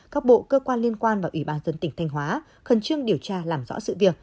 các bộ cơ quan liên quan và ủy ban dân tỉnh thanh hóa khẩn trương điều tra làm rõ sự việc